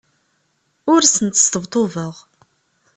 Ur asent-sṭebṭubeɣ.